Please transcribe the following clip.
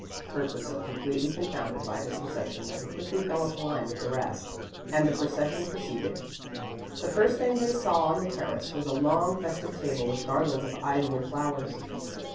Kurt was so completely confounded by this reception that he quickly fell into line with the rest, and the procession proceeded. The first thing they saw on the terrace was a long festive table with garlands of ivy and flowers.